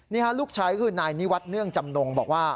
ลูกชายคือนายนิวัฒเนื่องจำนงบอกว่า